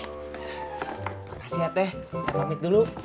makasih ya teh saya pamit dulu